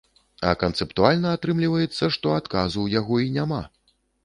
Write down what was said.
А канцэптуальна атрымліваецца, што адказу ў яго і няма.